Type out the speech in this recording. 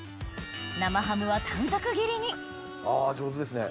生ハムは短冊切りにあ上手ですね。